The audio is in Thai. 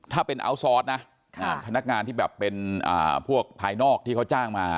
ถ้าเป็นอัลซอสนะพนักงานที่แบบเป็นพวกภายนอกที่เขาจ้างมา